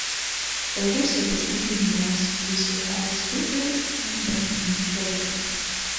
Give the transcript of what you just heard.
The producer was Andy Mills, producer of Alice Cooper and then Lee's boyfriend.